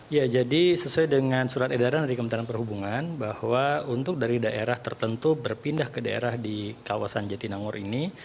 ya jadi sesuai dengan surat edaran dari kementerian perhubungan bahwa untuk dari daerah tertentu berpindah ke daerah di kawasan jatinangor ini